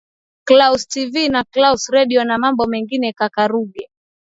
claus tv na claus redio na mambo mengine kaka ruge